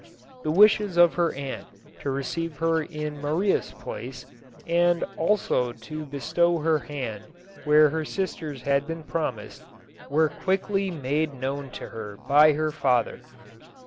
The wishes of her aunt to receive her in Maria's place, and also to bestow her JOSEPHINE. 227 hand where her sister's had been promised, were quick ly made known to her by her father.